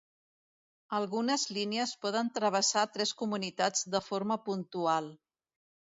Algunes línies poden travessar tres comunitats de forma puntual.